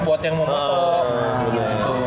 buat yang mau moto